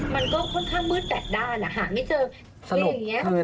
มันก็ค่อนข้างมืดแปดด้านหาไม่เจออะไรอย่างนี้